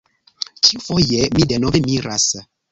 Ĉiufoje mi denove miras.